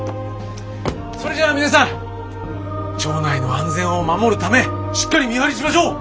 それじゃあ皆さん町内の安全を守るためしっかり見張りしましょう！